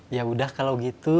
yaudah kalau gitu